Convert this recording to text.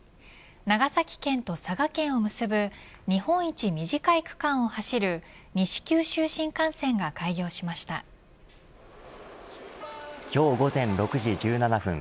長崎県と佐賀県を結ぶ日本一短い区間を走る西九州新幹線が今日午前６時１７分